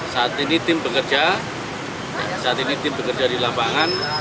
saat ini tim bekerja saat ini tim bekerja di lapangan